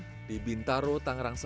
saya sudah berusaha untuk mencari atlet